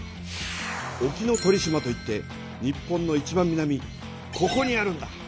沖ノ鳥島といって日本のいちばん南ここにあるんだ。